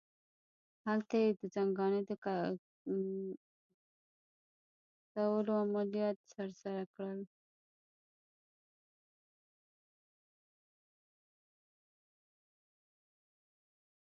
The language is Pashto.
هلته یې د زنګانه د کتلولو عملیات ترسره کړل.